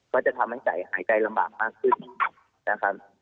ก็จะทำให้ไก่หายใจลำบากมากขึ้นนะครับ